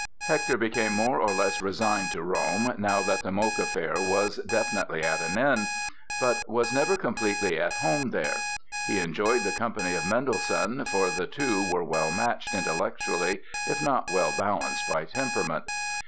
Hector became more or less resigned to Rome, now that the Moke affair was definitely at an end; but was never completely at home there. He enjoyed the company of Mendelssohn, for the two were well matched, intellectually, if not well balanced by temperament.